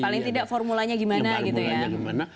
paling tidak formulanya gimana gitu ya